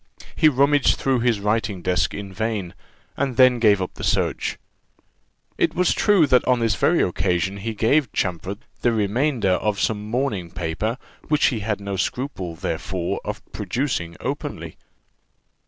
He rummaged through his writing desk in vain, and then gave up the search. It was true that on this very occasion he gave Champfort the remainder of some mourning paper, which he made no scruple, therefore, of producing openly.